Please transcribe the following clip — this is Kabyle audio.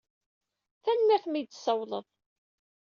Tanemmirt i mi yi-d-tsawleḍ.